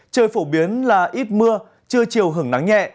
trời phổ biến là ít mưa trưa chiều hứng nắng nhẹ